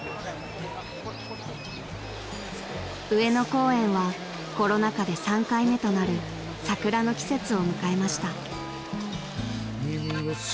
［上野公園はコロナ禍で３回目となる桜の季節を迎えました］